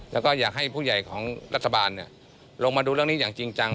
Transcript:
แล้วก็อยากให้ผู้ใหญ่ของรัฐบาลลงมาดูเรื่องนี้อย่างจริงจัง